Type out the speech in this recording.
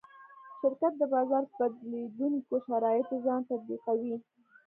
شرکت د بازار په بدلېدونکو شرایطو ځان تطبیقوي.